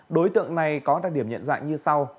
đối tượng này có đặc điểm nhận dạng như sau